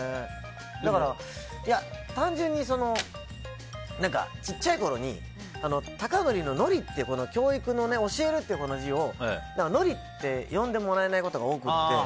だから、単純に小さいころに貴教の「教」っていう教育の教えるっていう字を「のり」って読んでもらえないことが多くて。